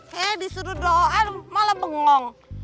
saya disuruh doa malah bengong